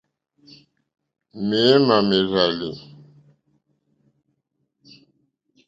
Méémà mèrzàlì.